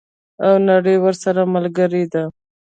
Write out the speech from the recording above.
او نړۍ ورسره ملګرې ده.